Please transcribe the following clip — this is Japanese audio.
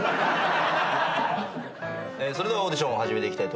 それではオーディションを始めていきたいと思います。